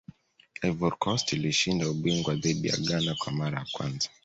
ivory coast ilishinda ubingwa dhidi ya ghana kwa mara ya kwanza